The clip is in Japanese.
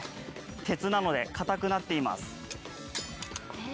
鉄なのでかたくなっています。